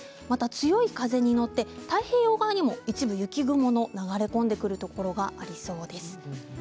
あと強い風に乗って太平洋側にも一部、雪雲の流れ込んでくるところがありそうです。